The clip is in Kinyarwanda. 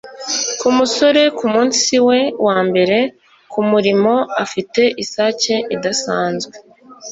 Ku musore kumunsi we wa mbere kumurimo afite isake idasanzwe